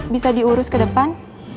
bisa diurus ke depan